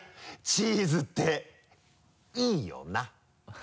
チーズっていいよな！